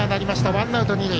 ワンアウト二塁。